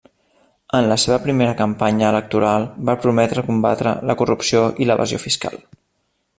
En la seva primera campanya electoral va prometre combatre la corrupció i l'evasió fiscal.